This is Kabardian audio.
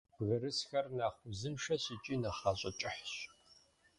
Бгырысхэр нэхъ узыншэщ икӏи нэхъ гъащӀэ кӀыхьщ.